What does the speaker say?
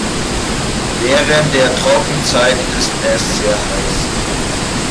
Während der Trockenzeit ist es sehr heiß.